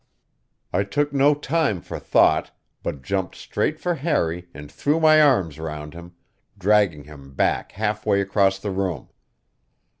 I took no time for thought, but jumped straight for Harry and threw my arms round him, dragging him back half way across the room.